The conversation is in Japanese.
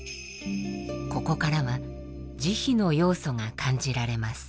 ここからは慈悲の要素が感じられます。